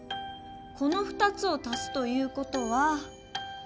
この２つをたすということは。